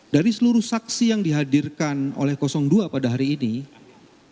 dari seluruh saksi yang dihadirkan oleh kosong dua pada hari ini dari seorang ahli